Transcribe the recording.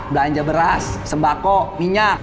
belanja beras sembako minyak